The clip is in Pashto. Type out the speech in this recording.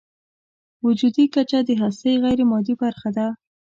وجودي کچه د هستۍ غیرمادي برخه ده.